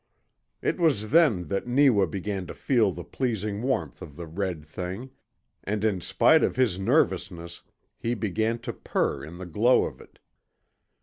It was then that Neewa began to feel the pleasing warmth of the red thing, and in spite of his nervousness he began to purr in the glow of it.